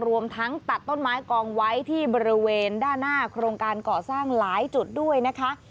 รวมทั้งตัดต้นไม้กองไว้ที่บริเวณด้านหน้าโครงการก่อสร้างหลายจุดด้วยนะคะ